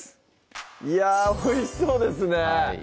いやおいしそうですねはい